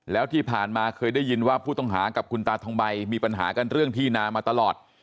แล้วที่ผ่านมาเคยได้ยินว่าผู้ต้องหากับคุณตาทองใบมีปัญหากันเรื่องที่นามาตลอด